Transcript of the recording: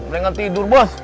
nggak ngetidur bos